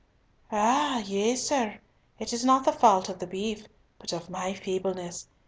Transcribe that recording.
"Ah! yea, sir. It is not the fault of the beef, but of my feebleness.